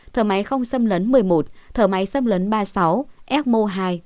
thở máy không xâm lấn một mươi một thở máy xâm lấn ba mươi sáu eo hai